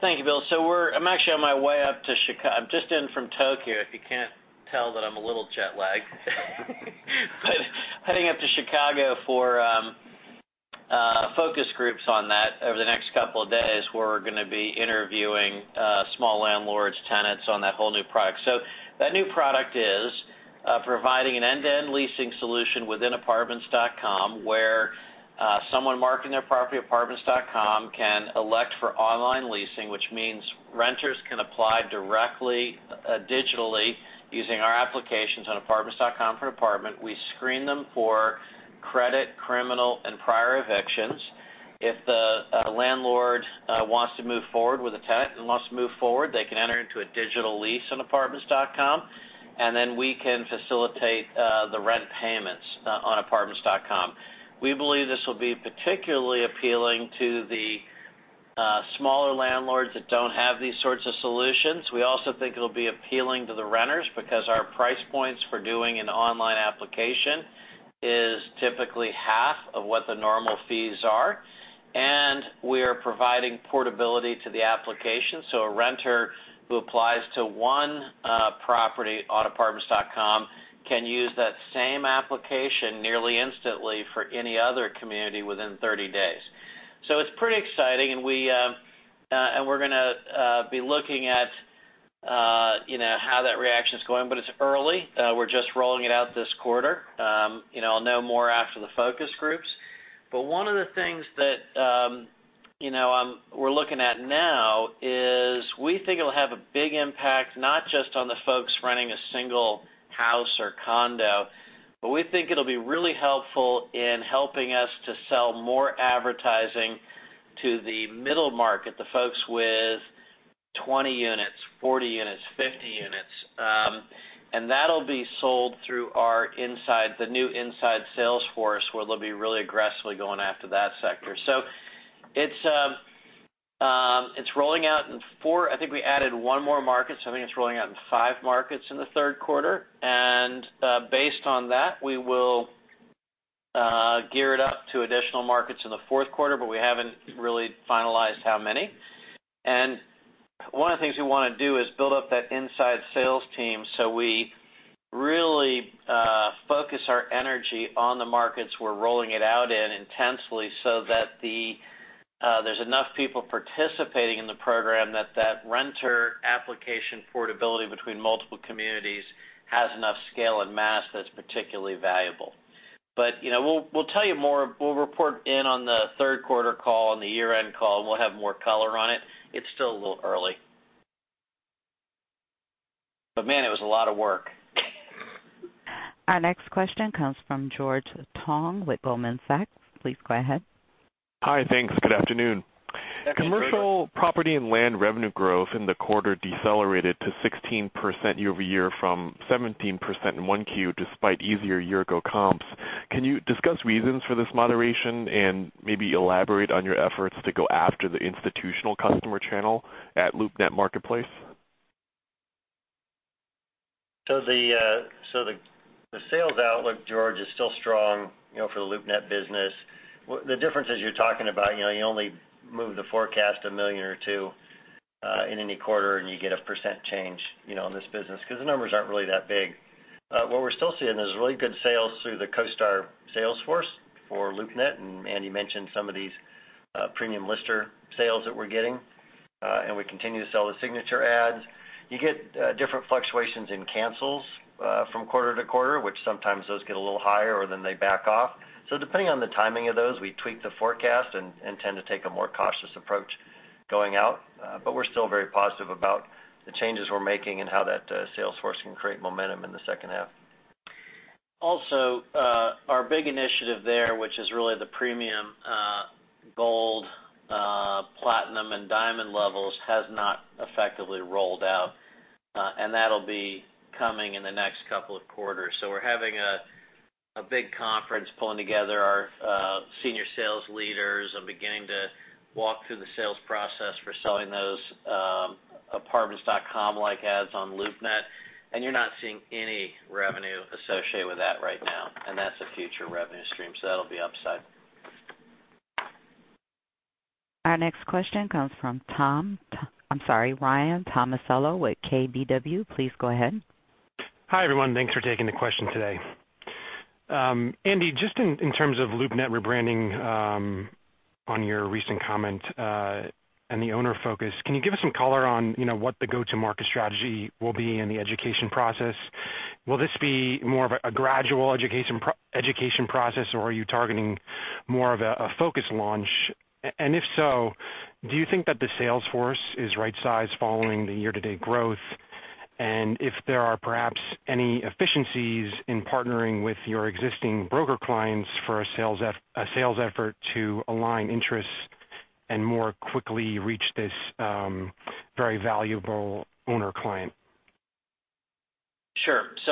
Thank you, Bill. I'm actually on my way up to Chicago. I'm just in from Tokyo, if you can't tell that I'm a little jet lagged. Heading up to Chicago for focus groups on that over the next couple of days, where we're going to be interviewing small landlords, tenants on that whole new product. That new product is providing an end-to-end leasing solution within Apartments.com, where someone marketing their property at Apartments.com can elect for online leasing, which means renters can apply directly, digitally, using our applications on Apartments.com for an apartment. We screen them for credit, criminal, and prior evictions. If the landlord wants to move forward with a tenant, they can enter into a digital lease on Apartments.com, we can facilitate the rent payments on Apartments.com. We believe this will be particularly appealing to the smaller landlords that don't have these sorts of solutions. We also think it'll be appealing to the renters because our price points for doing an online application is typically half of what the normal fees are, and we are providing portability to the application. A renter who applies to one property on Apartments.com can use that same application nearly instantly for any other community within 30 days. It's pretty exciting, and we're going to be looking at how that reaction's going. It's early. We're just rolling it out this quarter. I'll know more after the focus groups. One of the things that we're looking at now is we think it'll have a big impact, not just on the folks renting a single house or condo, but we think it'll be really helpful in helping us to sell more advertising to the middle market, the folks with 20 units, 40 units, 50 units. That'll be sold through the new inside sales force, where they'll be really aggressively going after that sector. It's rolling out in four I think we added one more market, so I think it's rolling out in five markets in the third quarter. Based on that, we will gear it up to additional markets in the fourth quarter, but we haven't really finalized how many. One of the things we want to do is build up that inside sales team so we really focus our energy on the markets we're rolling it out in intensely, so that there's enough people participating in the program that that renter application portability between multiple communities has enough scale and mass that's particularly valuable. We'll tell you more. We'll report in on the third quarter call and the year-end call. We'll have more color on it. It's still a little early. Man, it was a lot of work. Our next question comes from George Tong with Goldman Sachs. Please go ahead. Thanks. Good afternoon. Commercial property and land revenue growth in the quarter decelerated to 16% year-over-year from 17% in 1Q, despite easier year-ago comps. Can you discuss reasons for this moderation and maybe elaborate on your efforts to go after the institutional customer channel at LoopNet marketplace? So the sales outlook, George, is still strong for the LoopNet business. The difference is you're talking about you only move the forecast $1 million or $2 million in any quarter, and you get a percent change in this business because the numbers aren't really that big. What we're still seeing is really good sales through the CoStar sales force for LoopNet, and Andy mentioned some of these Premium Lister sales that we're getting, and we continue to sell the signature ads. You get different fluctuations in cancels from quarter-to-quarter, which sometimes those get a little higher or then they back off. Depending on the timing of those, we tweak the forecast and tend to take a more cautious approach going out. We're still very positive about the changes we're making and how that sales force can create momentum in the second half. Our big initiative there, which is really the premium Gold, Platinum, and Diamond levels, has not effectively rolled out. That'll be coming in the next couple of quarters. We're having a big conference pulling together our senior sales leaders and beginning to walk through the sales process for selling those Apartments.com like ads on LoopNet, and you're not seeing any revenue associated with that right now, and that's a future revenue stream, so that'll be upside. Our next question comes from Tom I'm sorry, Ryan Tomasello with KBW. Please go ahead. Hi, everyone. Thanks for taking the question today. Andy, just in terms of LoopNet rebranding, on your recent comment, and the owner focus, can you give us some color on what the go-to-market strategy will be in the education process? Will this be more of a gradual education process, or are you targeting more of a focus launch? If so, do you think that the sales force is right-sized following the year-to-date growth? If there are perhaps any efficiencies in partnering with your existing broker clients for a sales effort to align interests and more quickly reach this very valuable owner client?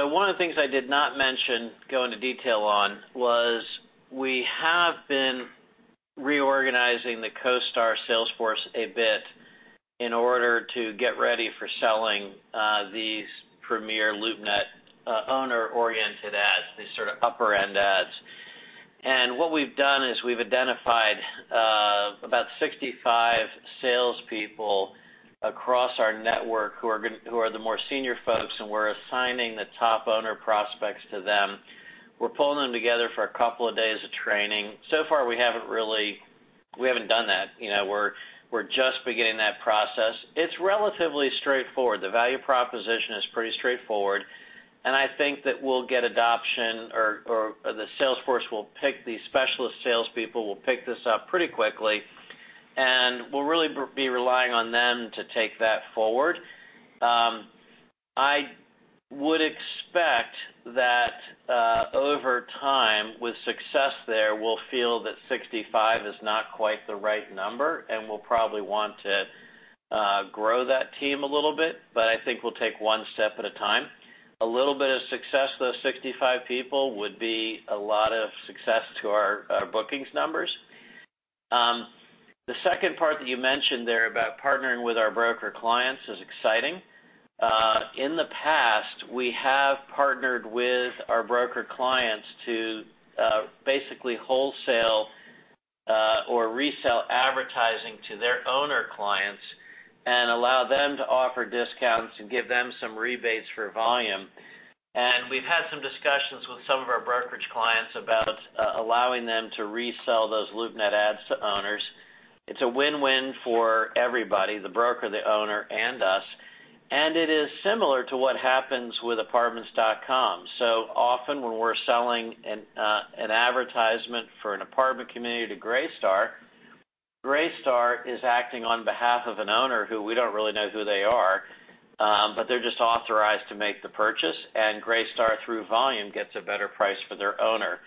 One of the things I did not mention going to detail on was we have been reorganizing the CoStar sales force a bit in order to get ready for selling these premier LoopNet owner-oriented ads, these sort of upper-end ads. What we've done is we've identified about 65 salespeople across our network who are the more senior folks, and we're assigning the top owner prospects to them. We're pulling them together for a couple of days of training. Far, we haven't done that. We're just beginning that process. It's relatively straightforward. The value proposition is pretty straightforward, and I think that we'll get adoption or these specialist salespeople will pick this up pretty quickly, and we'll really be relying on them to take that forward. I would expect that over time, with success there, we'll feel that 65 is not quite the right number, and we'll probably want to grow that team a little bit, but I think we'll take one step at a time. A little bit of success with those 65 people would be a lot of success to our bookings numbers. The second part that you mentioned there about partnering with our broker clients is exciting. In the past, we have partnered with our broker clients to basically wholesale or resell advertising to their owner clients and allow them to offer discounts and give them some rebates for volume. We've had some discussions with some of our brokerage clients about allowing them to resell those LoopNet ads to owners. It's a win-win for everybody, the broker, the owner, and us, and it is similar to what happens with Apartments.com. Often when we're selling an advertisement for an apartment community to Greystar is acting on behalf of an owner who we don't really know who they are, but they're just authorized to make the purchase. Greystar, through volume, gets a better price for their owner.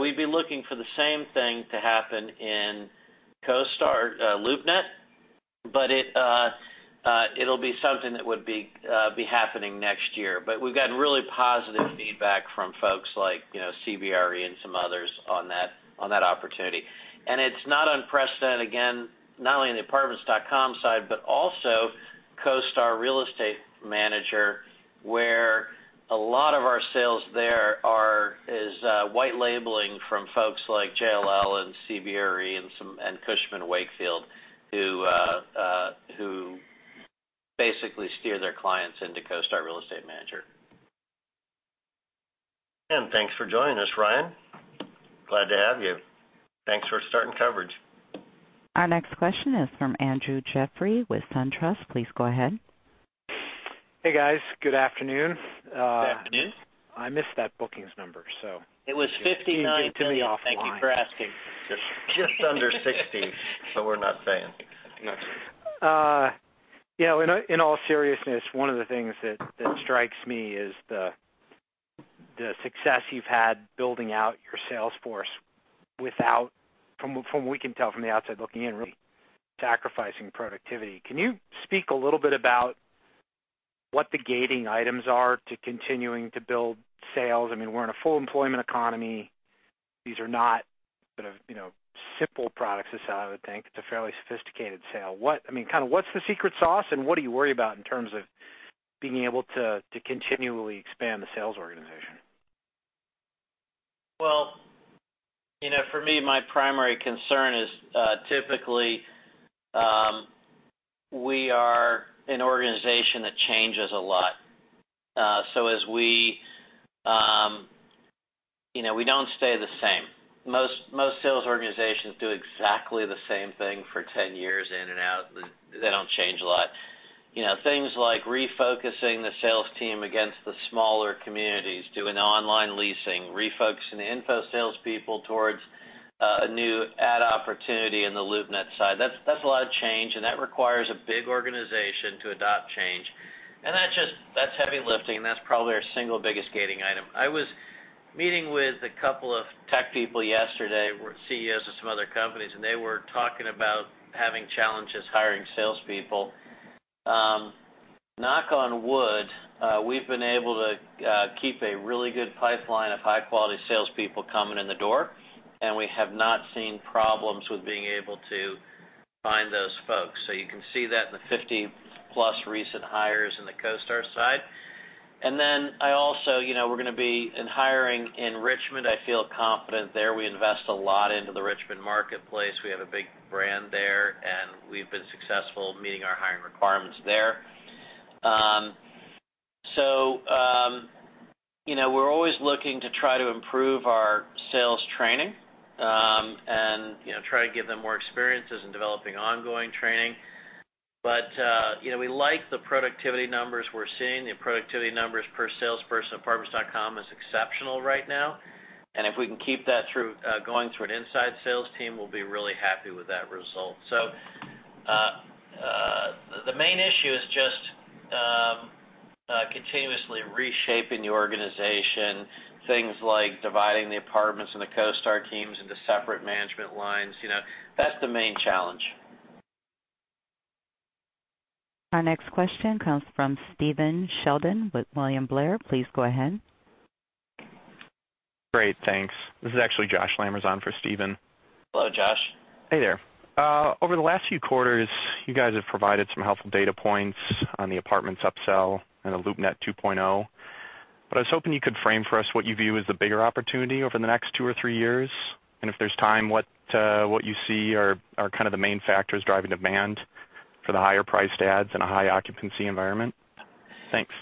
We'd be looking for the same thing to happen in CoStar LoopNet, but it'll be something that would be happening next year. We've gotten really positive feedback from folks like CBRE and some others on that opportunity. It's not unprecedented, again, not only on the Apartments.com side, but also CoStar Real Estate Manager, where a lot of our sales there is white labeling from folks like JLL and CBRE and Cushman & Wakefield, who basically steer their clients into CoStar Real Estate Manager. Thanks for joining us, Ryan. Glad to have you. Thanks for starting coverage. Our next question is from Andrew Jeffrey with SunTrust. Please go ahead. Hey, guys. Good afternoon. Good afternoon. I missed that bookings number. It was 59- You gave it to me offline. Thank you for asking. Just under 60, so we're not saying. In all seriousness, one of the things that strikes me is the success you've had building out your sales force without, from we can tell from the outside looking in, really sacrificing productivity. Can you speak a little bit about what the gating items are to continuing to build sales? We're in a full employment economy. These are not sort of simple products, is how I would think. It's a fairly sophisticated sale. What's the secret sauce, and what do you worry about in terms of being able to continually expand the sales organization? Well, for me, my primary concern is, typically, we are an organization that changes a lot. We don't stay the same. Most sales organizations do exactly the same thing for 10 years in and out. They don't change a lot. Things like refocusing the sales team against the smaller communities, doing online leasing, refocusing the info salespeople towards a new ad opportunity in the LoopNet side. That's a lot of change, and that requires a big organization to adopt change. That's heavy lifting, and that's probably our single biggest gating item. I was meeting with a couple of tech people yesterday, CEOs of some other companies, and they were talking about having challenges hiring salespeople. Knock on wood, we've been able to keep a really good pipeline of high-quality salespeople coming in the door, and we have not seen problems with being able to find those folks. You can see that in the 50+ recent hires in the CoStar side. We're going to be in hiring in Richmond. I feel confident there. We invest a lot into the Richmond marketplace. We have a big brand there, and we've been successful meeting our hiring requirements there. We're always looking to try to improve our sales training, and try to give them more experiences in developing ongoing training. We like the productivity numbers we're seeing. The productivity numbers per salesperson at Apartments.com is exceptional right now. If we can keep that going through an inside sales team, we'll be really happy with that result. The main issue is just continuously reshaping the organization. Things like dividing the apartments and the CoStar teams into separate management lines. That's the main challenge. Our next question comes from Stephen Sheldon with William Blair. Please go ahead. Great. Thanks. This is actually Josh Lamers for Stephen. Hello, Josh. Hey there. Over the last few quarters, you guys have provided some helpful data points on the Apartments.com upsell and the LoopNet 2.0. I was hoping you could frame for us what you view as the bigger opportunity over the next two or three years. If there's time, what you see are kind of the main factors driving demand for the higher-priced ads in a high-occupancy environment. Thanks.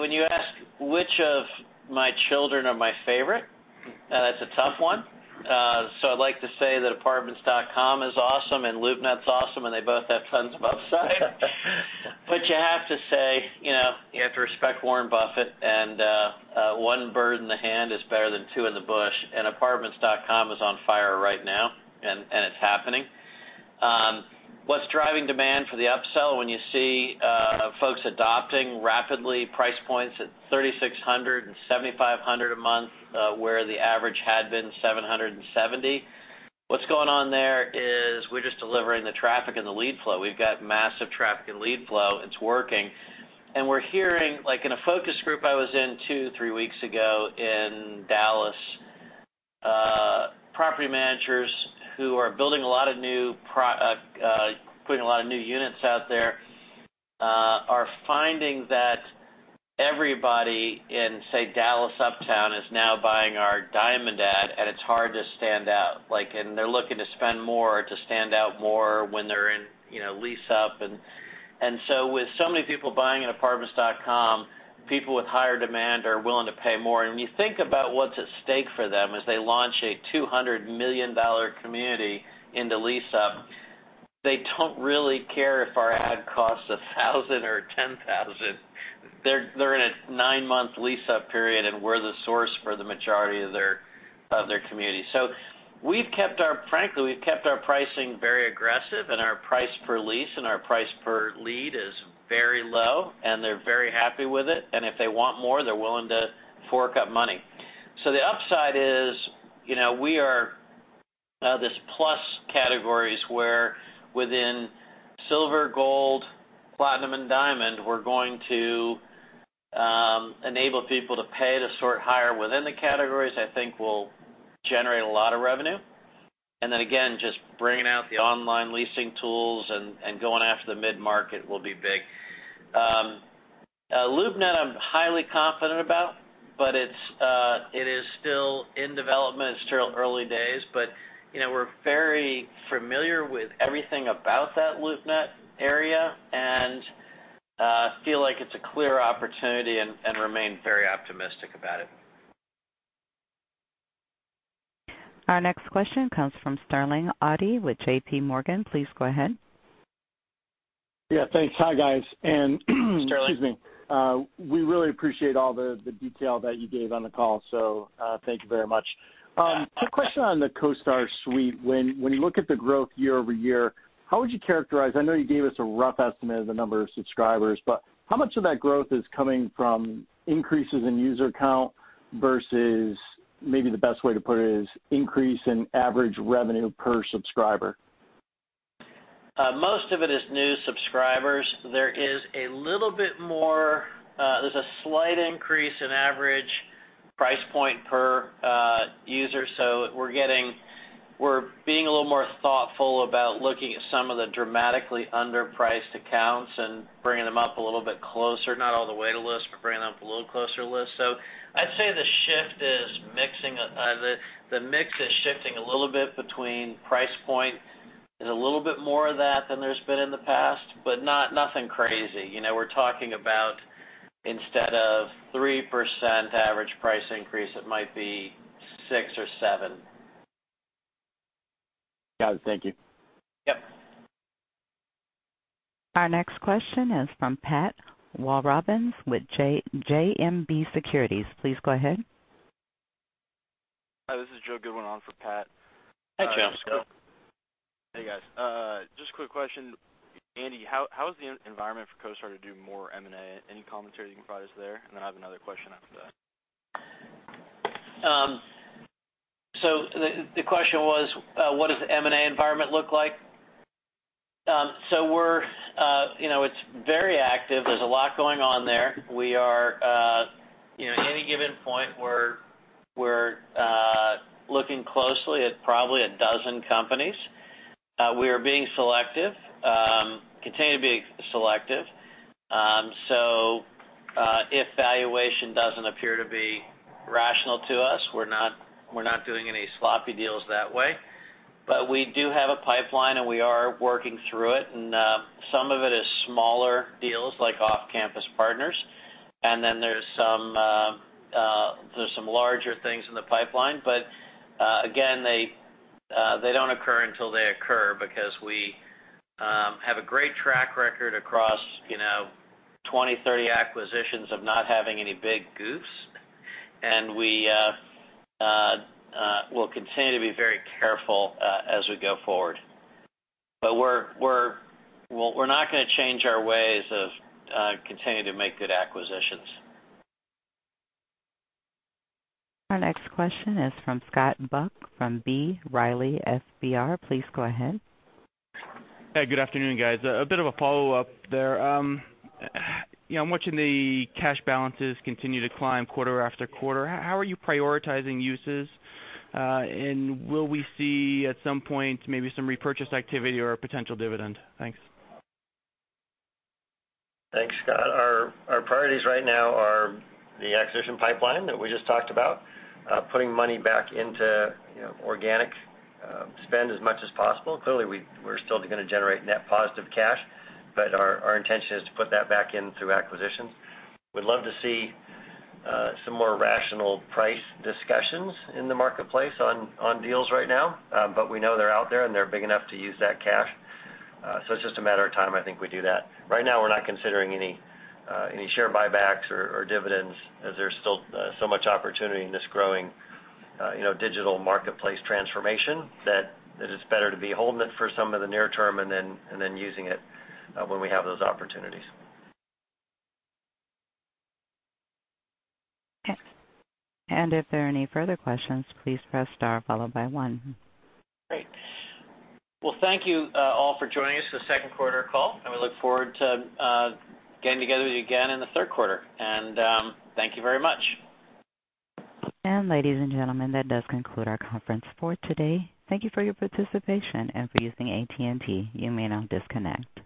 When you ask which of my children are my favorite, that's a tough one. I'd like to say that Apartments.com is awesome and LoopNet's awesome, and they both have tons of upside. You have to say, you have to respect Warren Buffett, and one bird in the hand is better than two in the bush. Apartments.com is on fire right now, and it's happening. What's driving demand for the upsell? When you see folks adopting rapidly price points at $3,600 and $7,500 a month, where the average had been $770. What's going on there is we're just delivering the traffic and the lead flow. We've got massive traffic and lead flow. It's working. We're hearing, like in a focus group I was in two, three weeks ago in Dallas, property managers who are putting a lot of new units out there, are finding that everybody in, say, Dallas Uptown is now buying our Diamond ad, and it's hard to stand out. They're looking to spend more to stand out more when they're in lease-up. With so many people buying in Apartments.com, people with higher demand are willing to pay more. When you think about what's at stake for them as they launch a $200 million community into lease-up, they don't really care if our ad costs $1,000 or $10,000. They're in a nine-month lease-up period, and we're the source for the majority of their community. Frankly, we've kept our pricing very aggressive, and our price per lease and our price per lead is very low, and they're very happy with it. If they want more, they're willing to fork up money. The upside is, this plus categories where within Silver, Gold, Platinum, and Diamond, we're going to enable people to pay to sort higher within the categories, I think will generate a lot of revenue. Again, just bringing out the online leasing tools and going after the mid-market will be big. LoopNet, I'm highly confident about, but it is still in development. It's still early days. We're very familiar with everything about that LoopNet area and feel like it's a clear opportunity and remain very optimistic about it. Our next question comes from Sterling Auty with JPMorgan. Please go ahead. Thanks. Hi, guys. Excuse me. Sterling. We really appreciate all the detail that you gave on the call. Thank you very much. Quick question on the CoStar Suite. When you look at the growth year-over-year, how would you characterize, I know you gave us a rough estimate of the number of subscribers, but how much of that growth is coming from increases in user count versus, maybe the best way to put it is increase in average revenue per subscriber? Most of it is new subscribers. There is a little bit more, there's a slight increase in average price point per user. We're being a little more thoughtful about looking at some of the dramatically underpriced accounts and bringing them up a little bit closer. Not all the way to list, bringing them up a little closer to list. I'd say the mix is shifting a little bit between price point and a little bit more of that than there's been in the past, but nothing crazy. We're talking about instead of 3% average price increase, it might be six or seven. Got it. Thank you. Our next question is from Pat Walravens with JMP Securities. Please go ahead. Hi, this is Joe Goodwin on for Pat. Hi, Joe. Hey, guys. Just a quick question. Andy, how is the environment for CoStar to do more M&A? Any commentary you can provide us there? I have another question after that. The question was, what does the M&A environment look like? It's very active. There's a lot going on there. At any given point, we're looking closely at probably a dozen companies. We are being selective, continue to be selective. If valuation doesn't appear to be rational to us, we're not doing any sloppy deals that way. We do have a pipeline and we are working through it. Some of it is smaller deals like Off Campus Partners. There's some larger things in the pipeline. Again, they don't occur until they occur because we have a great track record across 20, 30 acquisitions of not having any big goofs. We will continue to be very careful as we go forward. We're not going to change our ways of continuing to make good acquisitions. Our next question is from Scott Buck from B. Riley FBR. Please go ahead. Hey, good afternoon, guys. A bit of a follow-up there. I'm watching the cash balances continue to climb quarter after quarter. How are you prioritizing uses? Will we see at some point maybe some repurchase activity or a potential dividend? Thanks. Thanks, Scott. Our priorities right now are the acquisition pipeline that we just talked about, putting money back into organic spend as much as possible. Clearly, we're still going to generate net positive cash, but our intention is to put that back in through acquisitions. We'd love to see some more rational price discussions in the marketplace on deals right now. We know they're out there and they're big enough to use that cash. It's just a matter of time, I think we do that. Right now, we're not considering any share buybacks or dividends as there's still so much opportunity in this growing digital marketplace transformation that it is better to be holding it for some of the near term and then using it when we have those opportunities. If there are any further questions, please press star followed by one. Well, thank you all for joining us this second quarter call. We look forward to getting together with you again in the third quarter. Thank you very much. Ladies and gentlemen, that does conclude our conference for today. Thank you for your participation and for using AT&T. You may now disconnect.